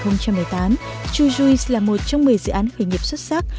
năm hai nghìn một mươi tám chujuice là một trong một mươi dự án khởi nghiệp xuất sắc